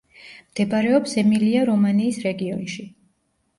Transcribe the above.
მდებარეობს ემილია-რომანიის რეგიონში.